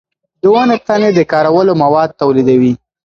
د ونو تنې د کارولو مواد تولیدوي.